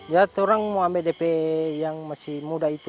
ya kita mau ambil dp yang masih muda itu